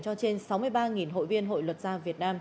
cho trên sáu mươi ba hội viên hội luật gia việt nam